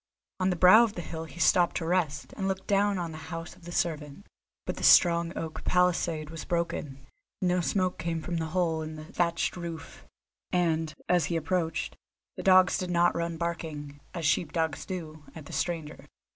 On the brow of a hill he stopped to rest, and looked down on the house of the servant. But the strong oak palisade was broken, no smoke came from the hole in the thatched roof, and, as he approached, the dogs did not run barking, as sheep dogs do, at the stranger.